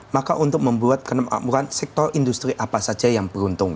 maka untuk membuat kemakmuran sektor industri apa saja yang beruntung